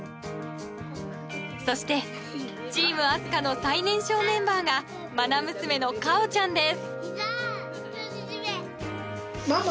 そして、チームあすかの最年少メンバーが愛娘の果緒ちゃんです。